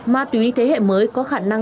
ma túy thế hệ mới có khả năng để sử dụng